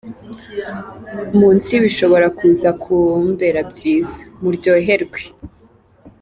munsi bishobora kuza kumbera byiza!! Muryoherwe.